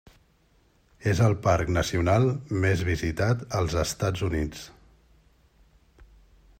És el parc nacional més visitat als Estats Units.